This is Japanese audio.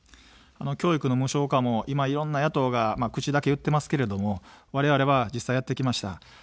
教育の無償化も今、いろんな野党が口だけ言ってますけれども、われわれは実際やってきました。